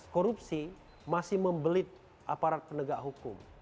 korupsi masih membelit aparat penegak hukum